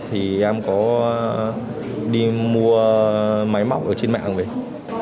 thì em có đi mua máy móc ở trên mạng về